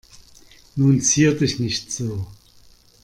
Nun zier dich nicht so.